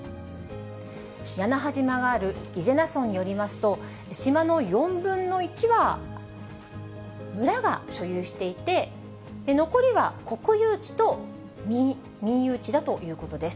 屋那覇島がある伊是名村によりますと、島の４分の１は村が所有していて、残りは国有地と民有地だということです。